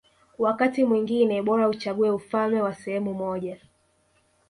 Wakati mwingine bora uchague ufalme wa sehemu moja